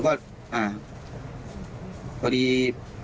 ก็พอดี